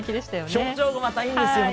表情がまたいいんですよね。